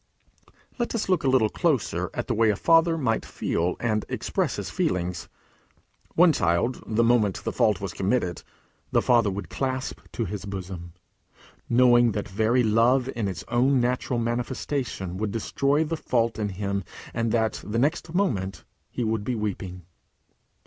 Let us look a little closer at the way a father might feel, and express his feelings. One child, the moment the fault was committed, the father would clasp to his bosom, knowing that very love in its own natural manifestation would destroy the fault in him, and that, the next moment, he would be weeping.